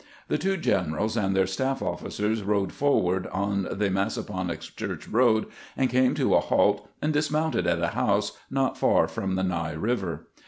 The two generals and their staff oflQ.cers rode forward on the Massaponax Church road, and came to a halt and dis mounted at a house not far from the Ny Eiver.